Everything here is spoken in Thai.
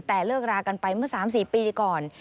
แต่เลิกรากันไปเมื่อ๓๔ปีก่อน